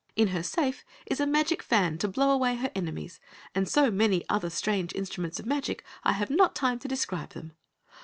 In her safe is a magic fan to blow away her enemies, and so many other strange instruments of magic, I have not time to describe them.